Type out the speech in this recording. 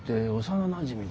幼なじみ？